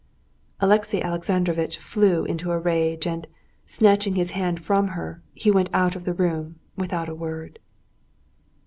Alexey Alexandrovitch flew into a rage, and, snatching his hand from her, he went out of the room without a word.